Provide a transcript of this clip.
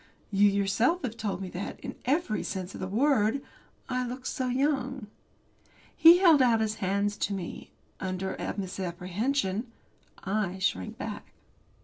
You yourself have told me that, in every sense of the word, I look so young. He held out his hands to me under a misapprehension. I shrank back.